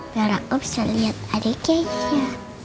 biar aku bisa liat adiknya